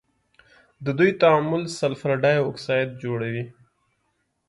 د دوی تعامل سلفر ډای اکسايډ جوړوي.